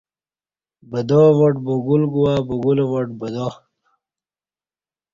بدا وٹ بگول گوا بگول وٹ بدا